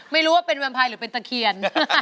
ไม่รู้ว่าเป็นแวมไพรหรือเป็นตะเคียน